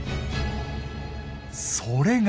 それが。